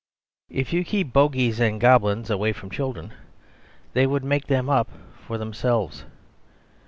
If you keep bogies and goblins away from children they would make them up for themselves.